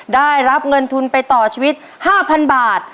ได้รับเงินทุนไปต่อชีวิต๕๐๐๐บาท